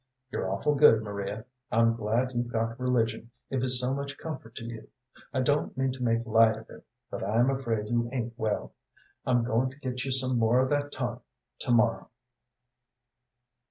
"You're awful good, Maria. I'm glad you've got religion if it's so much comfort to you. I don't mean to make light of it, but I'm afraid you ain't well. I'm goin' to get you some more of that tonic to morrow."